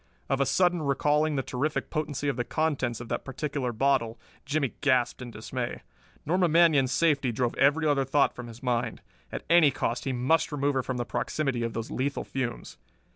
Of a sudden recalling the terrific potency of the contents of that particular bottle, Jimmie gasped in dismay. Norma Manion's safety drove every other thought from his mind. At any cost he must remove her from the proximity of those lethal fumes.